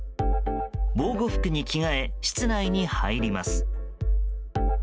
防護服に着替え室内に入ります。